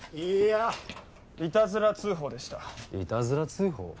いいやいたずら通報でしたいたずら通報？